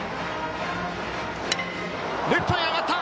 レフトへ上がった！